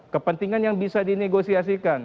kepentingan yang bisa di negosiasikan